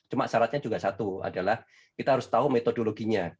cuma syaratnya juga satu adalah kita harus tahu metodologinya